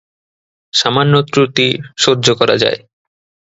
সামান্য ত্রুটি সহ্য করা যায়।